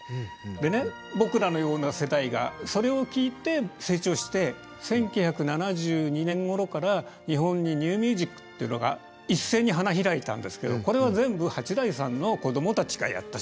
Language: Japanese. でね僕らのような世代がそれを聴いて成長して１９７２年ごろから日本にニューミュージックっていうのが一斉に花開いたんですけどこれは全部八大さんの子供たちがやった仕事ですね。